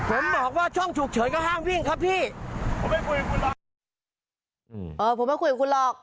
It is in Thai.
เออผมมาคุยกับคุณหลอก